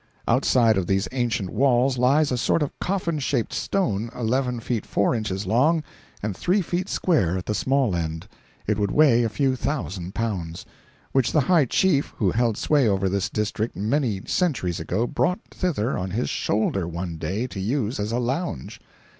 Outside of these ancient walls lies a sort of coffin shaped stone eleven feet four inches long and three feet square at the small end (it would weigh a few thousand pounds), which the high chief who held sway over this district many centuries ago brought thither on his shoulder one day to use as a lounge!